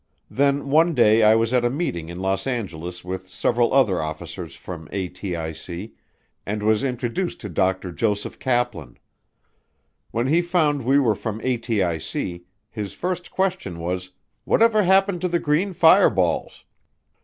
Then one day I was at a meeting in Los Angeles with several other officers from ATIC, and was introduced to Dr. Joseph Kaplan. When he found we were from ATIC, his first question was, "What ever happened to the green fireballs?"